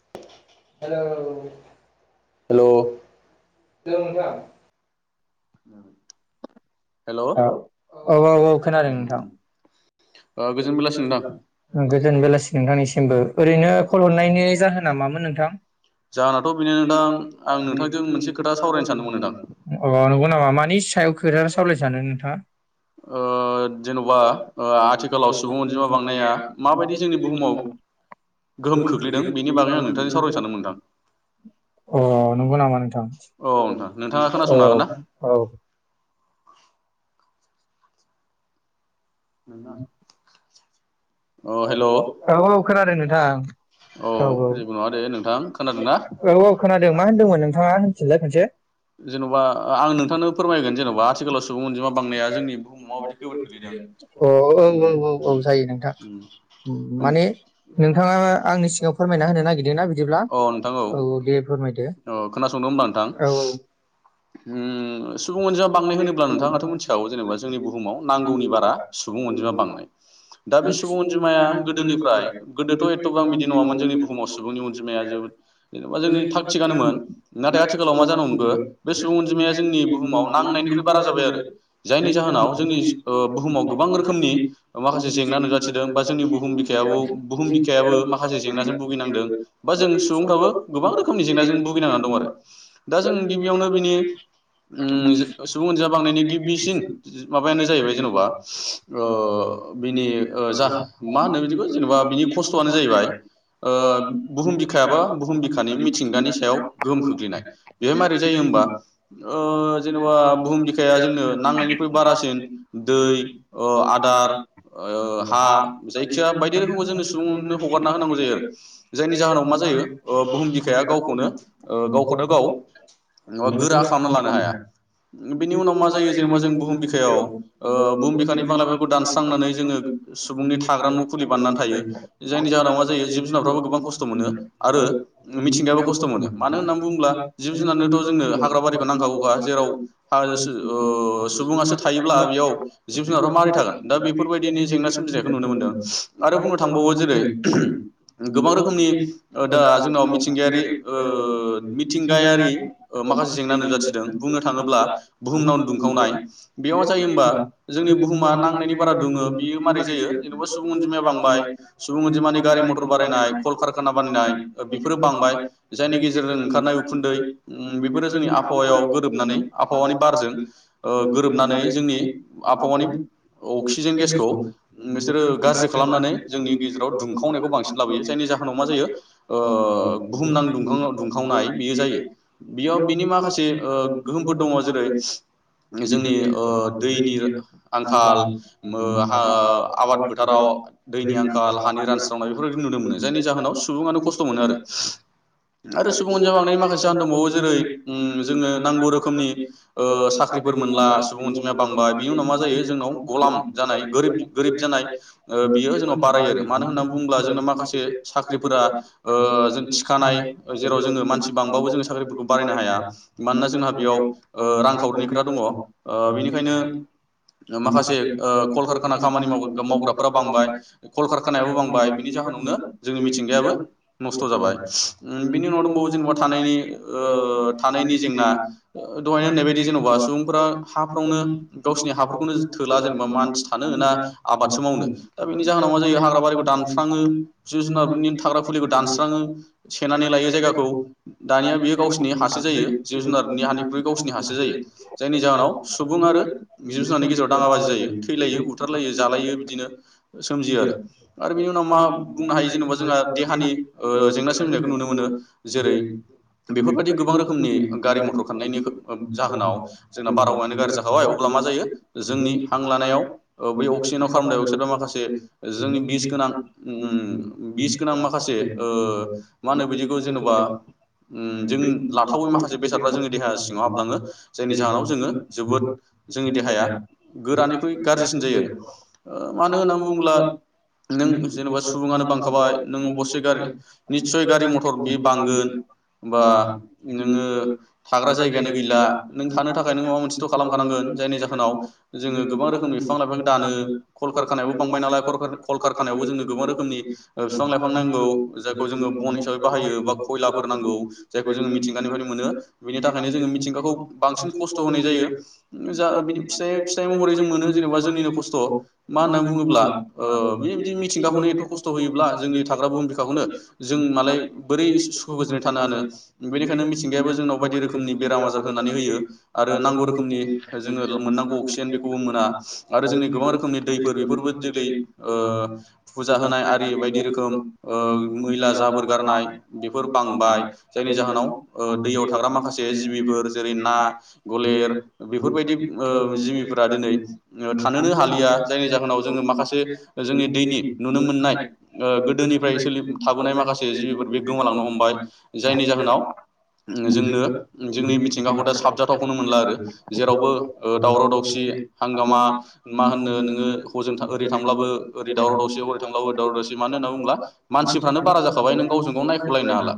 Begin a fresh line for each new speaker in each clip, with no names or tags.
[unintelligible] Hello hello नोंथां। औ।
ओ औ औ औ खोनादों नोंथां।
गोजोन बेलासि नोंथां
गोजोन बेलासि नोंथांनिसिम ओरैनो खल हरनाय जाहोना मामोन नोंथां?
जाहोनाथ' बेनो नोंथां
[unintelligible]
आं
अ
नोंथांजों मोनसे खोथा सावरायनो सानदोंमोन नोंथां
नंगौ नामा मानि सायाव खोथा सावरायाय सानो नोंथाङा?
[unintelligible] लाव सुबुं अनजिमा बांनाया माबायदि जोंनि बुहुमाव
[inaudible]
गोहोम खोख्लैदों बेनि बागै आं नोंथांजों सावरायनो सानदोंमोन नोंथां
अ नंगौ नामा नोंथां?
औ नोंथां नोंथाङा
औ
खोनासंनो हागोन
औ
नोंना अ हेलौ [unintelligible] अ
औ खोनादों नोंथां औ
जेबो नङा दे नोंथां खोनादोंना? [inaudible]
औ औ खोनादों मा होनदोंमोन नोंथाङा होनफिनलाय खनसे
जेनेबा आं नोंथांनो फोरमायगोन जेनेबा आथिखालाव सुबुं अनजिमा बांनाया जोंनि बुहुमाव माबायदि गोबोर खोलैदों?
अ ओं औ औ औ जायो नोंथां।
[inaudible] अ
माने नोंथाङा आंनि सिगाङाव फोरमायना होनो नागिरदोंना बिदिब्ला
नोंथां औ खोनासंदों होनब्ला नोंथां।
औ औ
सुबुं अजिया बांनाय होनोब्ला नोंथाङाथ' मिथिखागौ जेनेबा जोंनि बुहुमाव नांगौनि बारा सुबुं अनजिमा बांनाय। दा बे सु अनजिमाया गोदोनिफ्राय गोदोथ' एथ'बां बिदि नङामोन जोंनि बुहुमाव सुबुंनि अनजिमाया जोबोद जेनेबा जोंनि थाग थिगानोमोन नाथाय आथिखालाव मा जानो हमगो बे सुबुं अनजिमाया जोंनि बुहुमाव नांनायनिख्रुइ बारा जाबाय आरो जायनि जाहोनाव जोंनि ओ बुहुमाव रोखोमनि माखासे जेंना नुजाथिदो बा जोंनि बुहुम बिखायाव बुहुम बिखायाबो माखासे जेंनाजों भुगिनांदों बा जों सुबुंफ्राबो गोबां रोखोमनि जेंनाजों भुगिनांनानै दं आरो दा जों गिबियावनो बिनि उम सुबुं अनजिमानि बांनायनि गिबिसिन माबायानो जाहैबाय जेन'बा ओ बिनि ओ मा होनो बिदिखौ जेनेबा बिनि खस्थ'आनो जाहैबाय ओ बुहुम बिखायाबा बुहुम बिखानि मिथिंगानि सायाव गोहोम खोख्लैनाय बेहाय मारै जायो होमबा ओ जेनेबा बुहुम बिखाया जोंनो नांनायनिख्रुइ बारासिन दै अ आदारा ओ हा जायखिया बायदि रोखोम जोंनो सुबुंनो हगारना होनांगौ जायो आरो। जायनि जाहोनाव मा जायो ओ बुहुम बिखाया गावखौनो गाव गोरा खालामना लानो हाया बिनि उनाव मा जायो जेनेबा जों बुहुम बिखायाव ओ बुहुम बि बिफां - लाइफांखौ दानस्रांनानै जोङो सुबुंनि थाग्रा मुखुलि बानायनानै थायो जायनि जाहोनाव मा जायो जिब जुनारफ्राबो गोबां खस्थ' मोनो आरो मिथिंगायाबो खस्थ' मोनो मानो होननानै बुङोब्ला जिब जुनारनोथ' जोंनो हाग्रा बारिखौ नांखागौखा जेराव हाजासो ओ सुबुंआसो थायोब्ला बेयाव जिब जुनारफोरा मारै थागोन दा बेफोर बायद जेंना सोमजिनायखौ नुनो मोन्दों [unintelligible] आरो बुंनो थांबावबा जेरै गोबां रोखोमनि ओ दा जोंनाव मिथिंगायारि ओ मिथिंगायारि ओ माखासे जेंना नुजाथिदों बुंनो थाङोब्ला बुहुमनाव दुंखावनाय बेयाव जायो होनबा जोंनि बुहुमा नांनायनि बारा दुं बियो मारै जायो जेनेबा सुबुं अनजिमाया बांबाय सुबुं अनजिमानि गारि मटर बारानायनाय कल कारखाना बानायनाय बेफोरो बांबाय जायनि गेजेरजों ओंखारनाय उखुन्दै उम बेफोरो जोंनि आबहावायाव गोरोबनानै आबहावानि बारजों गोरोबनानै जोंनि आबहावानि अक्सिजे खौ नोंसोरो गाज्रि खालामनानै जोंनि गेजेराव दुंखावनायखौ बांसिन लाबोयो जायनि जाहोनाव मा जायो ओ बुहुमनां दुंखाव दुंखावनाय बेयो जायो बेयाव बिनि माखासे ओ गोहोमफोर दङ जेरै जोंनि ओ दैनि आंखाल ओ हा आबाद फोथाराव दैनि आंखाल हानि रानस्रावनाय बेफोरबायदि नुनो मोनो जायनि जाहोनाव सुबुंआनो खस्थ' मोनो आरो [unintelligible] आरो सुबुं अनजिमा बांनायनि माखासे जाहोन दंबावो जेरै जोंङो नांगौ रोखोमनि साख्रिफोर मोनला सुबुं अनजिमाया बांबाय बिनि उनाव मा जायो जोंनाव गलाम जाथ गोरिब गोरिब जानाय ओ बियो जोंनाव बारायो आरो मानो होननानै बुङोब्ला जोंना माखासे साख्रिफोरा ओ जों थिखानाय जेराव जोङो मानसि बांबो जोङो साख्रिफोरखौ बारायनो हाया मानोना जोंहा बेयाव रांखावरिनि खोथा दङ ओ बेनिखायनो माखासे ओ कल कारखाना खामानि माव मावग्राफ बांबाय कल कारखानायाबो बांबाय बिनि जाहोनावनो जोंनि मिथिंगायाबो नस्थ' जाबाय [unintelligible] बिनि उनाव दंबावो जेनेबा थानायनि ओ थानायनि जेंना दहायनो होननाय बादि जेन'बा सुबुंफोरा हाफ्रावनो गावसिनि हाफोरखौनो थोला जेनेबा थानो मोना आबादसो मावनो दा बेनि जाहोनाव मा जायो हाग्रा बारिखौ दानस्राङो जिब जुनारनि थाग्रा खुलिखौ दानस्राङो सेनानै लायो जायगाखौ दानिया बेयो गावसिनि हासो जायो जिब-जुनारनि हानिख्रुइ गावसिनि हासो जायो जायनि जाहोनाव सुबुं आरो जिब-जुनारनि गेजेराव दाङाबाजि जायो। थैलायो बुथारलायो जालायो बिदिनो सोमजियो आरो आरो बेनि उनाव मा बुंनो हायो जेनेबा जोंहा देहानि ओ जेंना सोमजिनायखौ नुनो मोनो जेरै बेफोरबायदि गोबां रोखोमनि गारि मथर खारनायनि ओ जाहोनाव जोंना बारहावायानो गाज्रि जाखाबाय अब अब्ला मा जायो जोंनि हा हां लानायाव ओ बै अक्सिजेनाव कार्बन डाइअक्साइ माखासे जोंनि बिस गोनां उम बिस गोनां माखासे ओ मा होनो बिदिखौ जेनेबा उम जों लाथावै माखासे बेसादफ्रा जोंनि देहा सिङाव हाबलाङो जायनि जाहोनाव जोङो जोबोद जोंनि देहाया गोरानिख्रुइ गाज्रिसिन जायो ओ मानो होननानै बुङोब्ला नों जेनेबा सुबुङानो बांखाबाय नों अबस्से गारि निस्सय गारि मथ'र बे बांगोन होनबा नोङो थाग्रा जायगायानो गैला नों थानो थाखाय नों माबा मोनसेथ' खालामखानांगोन। जायनि जाहोनाव जोङो गोबां रोखोमनि बिफां लाइफां दानो कलकारखानायाबो बांबाय नालाय कलकारखानायावबो जोंनो गोबां रोखोमनि ओ बिफां-लाइफां नांगौ जायखौ जोङो बन हिसाबै बाहायो बा खयलाफोर नांगौ जायखौ जोङो मिथिंगानिफ्रायनो मोनो बेनि थाखायनो जोङो मिथिंगाखौ बांसिन खस्थ' होनाय जायो। जा बिनि फिसाय फिसा जों मोनो जेनेबा जोंनिनो खस्थ' मा होन्नानै बुङोब्ला ओ बेबायदि मिथिंगाखौनो एथ' खस्थ' होयोब्ला जोंनि थाग्रा बुहुम बिखाखौनो जों मालाय बोरै सुखु गोजोनै थानो हानो बेनिखायनो मिथिंगायाबो जोंनाव बायदि रोखोमनि बेराम आजार होनानै होयो आरो नांगौ रोखोमनि जोंनो मोननांगौ अक्सिजेन गुब मोना आरो जोंनि गोबां रोखोमनि दैफोर बेफोरबो जेरै फुजा होनाय आरि बायदि रोखोम मैला जाबोर गारनाय बेफोर बांबाय जायनि जाहोनाव दैयाव थाग्रा माखासे जिबिफोर जेरै ना गलेर बेफोरबायदि ओ जि दिनै थानोनो हालिया जायनि जाहोनाव जोङो माखासे जोंनि दैनि नुनो मोननाय गोदोनिफ्राय सोलि थाबोनाय माखासे जिबिफोर बे गोमालांनो हमबाय जायनि जाहोनाव जोंनो जोंनि मिथिंगाखौ दा साबजाथावखौनो मोनला आरो जेरावबो दावराव दाव हांगामा मा होननो नोङो हजों ओरै थांब्लाबो ओरै दावराव दावसि हओरै थांब्लाबो दावराव दावसि मानो होनना बुङोब्ला मानसिफ्रानो बारा जाखाबाय नों गावजों गाव नायख'लायनो हाला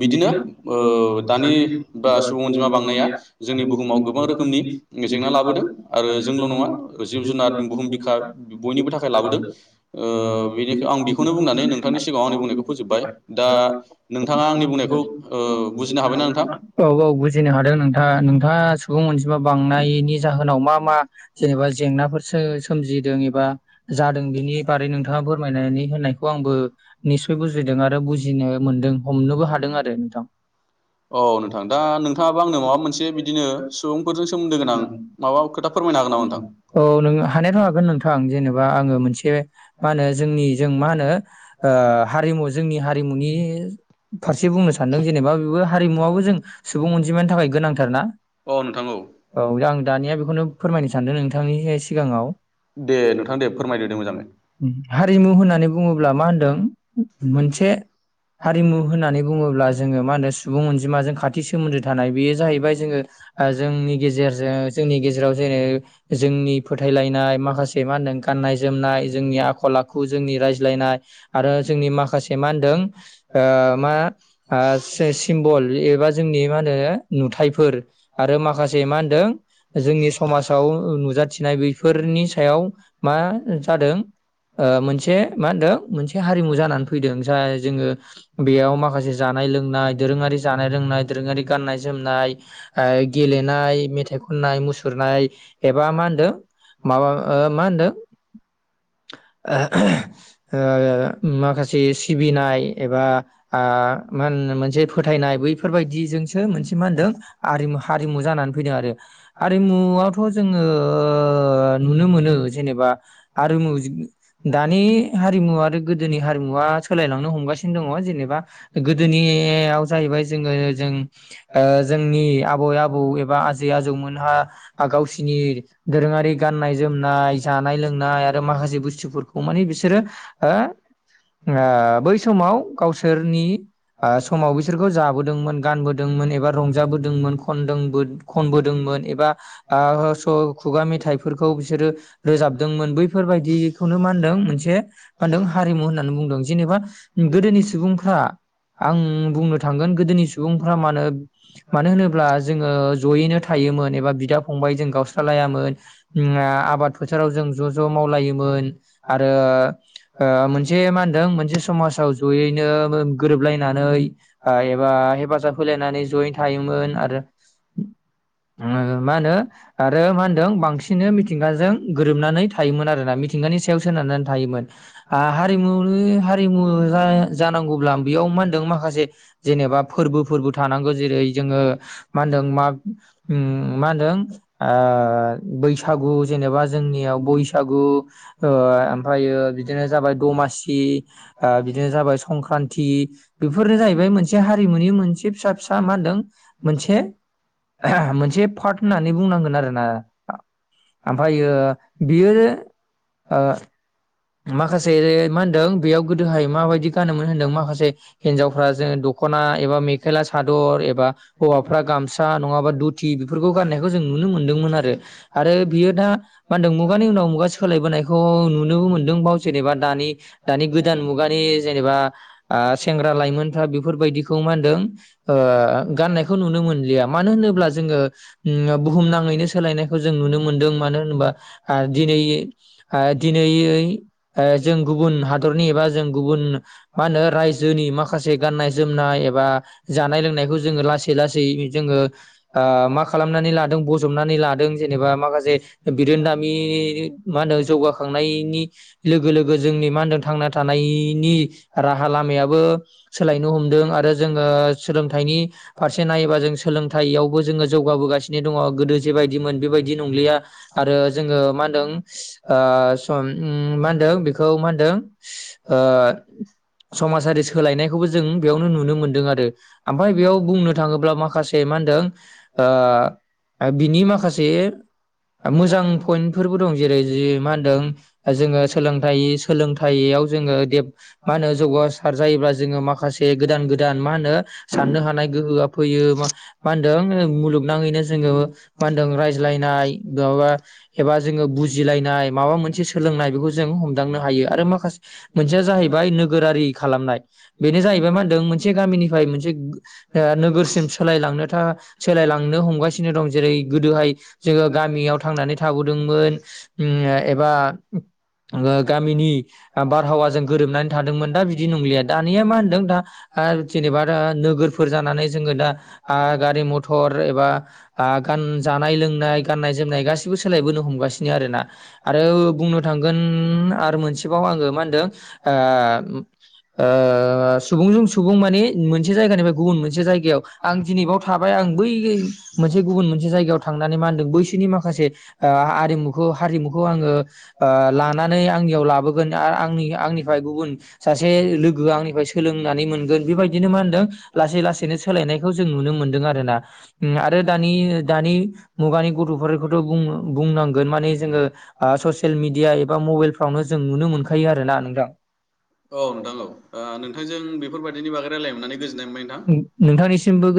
बिदिनो दानि बा सुबुं अनजिमा बांनाया जोंनि बुहुमाव गोबां रोखोम नङा जिब जुनार बुहुम बिखा बयनिबो थाखाय लाबोदों ओ बेनि आं बेखौनो बुंनानै नोंथांनि सिगाङाव आंनि बुंनायखौ फोजोबबाय दा नोंथाङा आंनि बुंनायखौ ओ बुजिनो हाबायना नोंथां
[unintelligible] सुबुं अनजि मा बांनायनि जाहोनाव मा मा जेनेबा जेंना सोमजिदों एबा जादों बेनि बारैनो नोंथाङा फोरमायनायनि होननायखौ आंबो निस्सय बुजिदों आरो बुजिनो मोनदों हमनोबो हादों आरो नोंथां
औ नोंथां दा नोंथाङाबो आंनो माबा मोनसे बिदिनो सुबुं हागोन नामा नोंथां
[unintelligible] आङो मोनसे मा होनो जोंनि
[unintelligible]
जों मा होनो ओ हारिमु जोंनि हारि हारिमुनि फारसे बुंनो सानदों जेनेबा बेबो हारिमुवाबो जों सुबुं अनजिमानि थाखाय गोनांथार ना?
औ नोंथां
औ दानिया बेखौनो फोरमायनो सानदों नोंथांनि सिगाङाव [unintelligible]
दे नोंथां दे फोरमायदो दे मोजाङै
सुबुं अनजिमाजों खाथि सोमोन्दो थानाय बेयो जाहैबाय जोङो जोंनि गेजेरजो जोंनि गेजेराव जेनो जोंनि फोथायलायनाय माखासे मा होनदों गाननाय जोमनाय जोंनि आख' खल आखु जोंनि रायज्लायनाय आरो जोंनि माखासे मा होनदों ओ मा ओ सि-सिम्बल एबा जोंनि मा होनो नुथाफोर आरो माखासे मा होनदों जोंनि समाजाव नुजाथिनाय बेैफोरनि सायाव मा जादों ओ मोनसे मा होनदों मोनसे हारिमु जानानै फैदों जाय जोङो बेयाव माखासे जानाय लोंनाय दोरोङारि जानाय लोंनाय दोरोङारि गाननाय जोमनाय ओ गेलेनाय मेथाइ खननाय मुसुरनाय एबा मा होनदों माबा मा होनदों [unintelligible] ओ माखासे सिबिनाय एबा आ मा होनो मोनसे फोथायनाय बैफोरबायदिजोंसो मोनसे मा होनदों हारिमु हारिमु जानानै फैदों आरो हारिमुआवथ' जोङो नु नुनो मोनो जेनेबा हारिमु दानि हारिमु आरो गोदोनि हारि मुवा सोलायलांनो हमगासिनो दङ जेनेबा गोदोनियाव जाहैबाय जोङो जों ओ जो जोंनि आबै आबौ एबा आजै आजौमोनहा गावसिनि दोरोङारि गाननाय जोमनाय, जानाय लोंनाय आरो माखासे बुस्थुफोरखौ मानि बिसोरो ओ बै समाव गावसोरनि ओ समाव बिसोरखौ जाबोदोंमोन गानबोदो दोंमोन एबा रं जाबोदोंमोन खनदोंबो खनबोदोंमोन एबा स-खुगा मेथाइफोरखौ बिसोरो रोजाबदोंमोन बैफोरबायदिखौनो मा होनदों मोनसे मा होनदों हारिमु होननानै बुंदों जेनेबा गोदोनि सुबुंफ्रा आं बुंनो थांगोन गोदोनि सुबुंफ्रा मा होनो मानो होनोब्ला जोङो ज'यैनो थायोमोन एबा बिदा फंबायाइ जों गावस्रालायामोन ओ आबाद फोथाराव जों ज' ज' मावलायोमोन आरो ओ मोनसे मा होनदों मोनसे समाजाव जयैनो गोरोबलायनानै ओ एबा हेफाजाब होलायनानै जयै थायोमोन आरो मा होनो आरो मा होनदों बांसिनो मिथिंगाजों गोरोबनानै थायोमोन आरोना मि [unintelligible] गानि सायाव सोनारनानै थायोमोन हारिमुनि हारिमुआ जानांगौब्ला बेयाव मा होनदों माखासे जेनेबा फोरबो फोरबो थानांगौ जेरै जोङो मा होनदों मा ओ मा होनदों ओ बैसागु जेनेबा जोंनियाव बैस बैसागु ओ ओमफ्रायो बिदिनो जाबाय दमासि ओ बिदिनो जाबाय संक्रान्ति बेफोरनो जाहैबाय मोनसे हारिनि मोनसे फिसा फिसा मा होनदों मोनसे [unintelligible] मोन से पार्ट होननानै बुंनांगोन आरोना आमफायो बियो ओ माखासे मा होनदों बेयाव गोदोहाय माबायदि मा होनोमोन होनदों माखासे हिन्जावफ्रा जोङो द'ख खना एबा मेखला सादर एबा हौवाफ्रा गामसा नङाबा दुथि बेफोरखौ गाननायखौ जों नुनो मो मोनदोंमोन आरो आरो बियो दा मा होनदों मुगानि उनाव मुगा सोलायबोनायखौ नुनोबो मोनद दोंबाव जेनेबा दानि दानि गोदान मुगानि जेनेबा आं सेंग्रा लाइमोनफ्रा बेफोरबायदि खौ मा होनदों ओ गाननायखौ नुनो मोनलिया । मानो होनोब्ला जोङो ओ बुहुम नाङैनो सोलायनायखौ जों नुनो मोनदों मानो होनोबा ओ दिनै ओ दिनै ओ जों गुबुन हादरनि एबा जों गुबुन मा होनो रायजोनि माखासे गाननाय जोमनाय एबा जानाय लोंनायखौ जोङो लासै लासै जोङो ओ मा खालामनानै लादों बजबनानै लादों जेनेबा माखासे बिरोनदामि मा होनो जौगाखांनायनि लोगो लोगो जोंनि मा होनदों थांना थानायनि राहा लामायाबो सोलायनो हमदों आरो जोङो सोलोंथाइनि फारसे से नायोबा जों सोलोंथाइयावबो जोङो जौगाबोगासिनो दङ गोदो जेबायदिमोन बेबायदि नंलिया। आरो जोङो मा होनदों ओ सम उम मा दों बेखौ मा होनदों बेखौ मा होनदों समाजारि सोलायनायखौबो जों बेयावनो नुनो मोन्दों आरो ओमफ्राय बेयाव बुंनो थाङोब्ला माखासे मा होनदों ओ बिनि माखासे मोजां पइन्टफोरबो दं जेरै जि मा होनदों जोङो सोलोंथाइ सोलोंथाइयाव जोङो मा होनो जौगासार जायोब्ला जोङो माखासे गोदान गोदान मा होनो साननो हानाय गोहोआ फैयो मा होनदों मुलुगनाङैनो जोङो मा होनदों रायज्लायनाय माबा एबा जोङो बुजिलायनाय माबा मोनसे सोलोंनाय बेखौ हमदांनो हायो आरो माखासे मोनसेया जाहै बाय नोगोरारि खालामनाय बेनो जाहैबाय मा होनदों मोनसे गामिनिफ्राय मोनसे नोगोरसिम सोलायलांनो था सोलायलांनो हमगासिनो दं जेरै गोदोहाय जोङो गामियाव थांनानै थाबो दोंमोन उम एबा गामिनि बा बारहावा जों गोरोबनानै थादोंमोन दा बिदि नंलिया दानिया मा होनदों दा जेनेबा दा नोगोरफोर जानानै जोङो दा गारि मथर एबा गान जानाय लोंनाय गाननाय जोमनाय गासिबो सोलायबोनो हमगासिनो आरो ना आरो बुंनो थां गोन आरो मोनसेबाव आङो मा होनदों आ ओ ओ सुबुंजों सुबुं मानि मोनसे जायगानिफ्राय गुबुन मोनसे जायगायाव आं दिनैबाव थाबाय आं बै मोनसे गुबुन मोनसे जायगायाव थांनानै मा होनदों बैसोरनि माखासे आरिमुखौ हारिमुखौ आङो ओ लानानै आंनियाव लाबोगोन आरो आंनि आंनिफ्राय गुबुन सासे लोगो आंनिफ्राय सोलोंनानै मोनगोन बेबायदिनो मा होनदों लासै लासैनो सोलायनायखौ जों नुनो मोन्दों आरोना। आरो दानि दानि मुगानि गथ'फोरखौथ' बुंनांगोन माने जोङो आ ससे मिडिया एबा मबाइलफ्रावनो जों नुनो मोनखायो आरो ना नोंथां।
औ नोंथां औ ओ नोंथांजों बे बेफोरबादिनि बै रायलायनो मोननानै गो
नोंथांनिसिमबो।